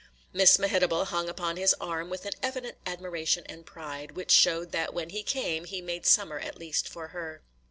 Miss Mehitable hung upon his arm with an evident admiration and pride, which showed that when he came he made summer at least for her.